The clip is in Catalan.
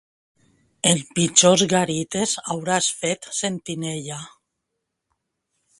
En pitjors garites hauràs fet sentinella.